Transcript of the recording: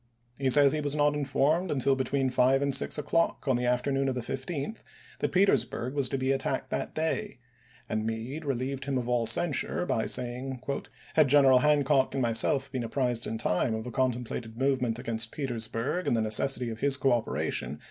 He says he was not informed until between five and six o'clock on the afternoon of the 15th that Petersburg was to be attacked that June,i86±. day; and Meade relieved him of all censure by saying, "Had General Hancock and myself been apprised in time of the contemplated movement against Petersburg and the necessity of his coopera tion